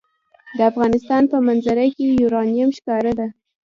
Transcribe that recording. د افغانستان په منظره کې یورانیم ښکاره ده.